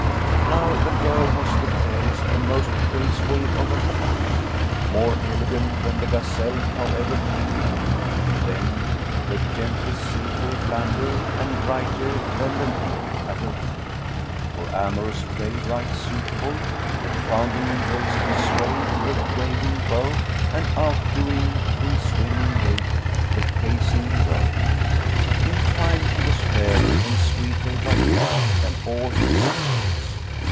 Now the girl was the fairest and most graceful of her time, more elegant than the gazelle however tender, than the gentlest zephyr blander and brighter than the moon at her full; for amorous fray right suitable; confounding in graceful sway the waving bough and outdoing in swimming gait the pacing roe; in fine she was fairer and sweeter by far than all her sisters.